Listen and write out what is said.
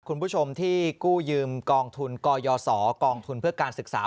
คุณผู้ชมที่กู้ยืมกองทุนกยศกองทุนเพื่อการศึกษา